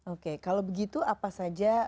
oke kalau begitu apa saja